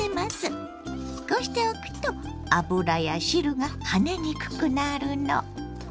こうしておくと油や汁が跳ねにくくなるの。